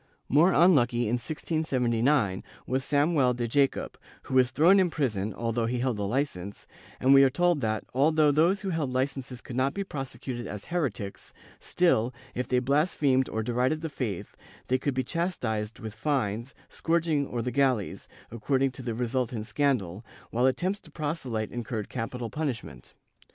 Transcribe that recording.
They were grudg ingly recognized by the tribunals, as in the case mentioned above in 1645. More unlucky, in 1679, was Samuel de Jacob, who was thrown in prison, although he held a licence, and we are told that, although those who held licences could not be prosecuted as heretics, still, if they blasphemed or derided the faith, they could be chastised with fines, scourging or the galleys, according to the resultant scandal, while attempts to proselyte incurred capital punishment.